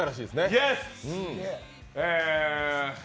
イエス！